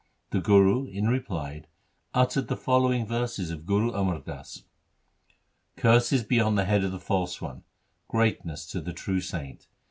The Guru, in reply, uttered the following verses of Guru Amar Das :— Curses be on the head of the false one ; greatness to the true saint